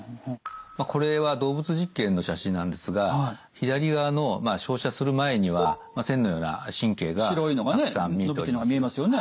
これは動物実験の写真なんですが左側の照射する前には線のような神経がたくさん見えています。